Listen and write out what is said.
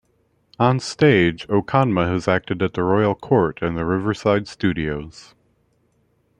On stage, Okonma has acted at the Royal Court and the Riverside Studios.